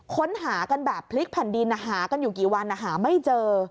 ค้นหากันแบบพลิกแผ่นดินหากันอยู่กี่วันหาไม่เจอ